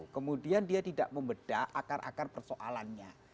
kemudian dia tidak membeda akar akar persoalannya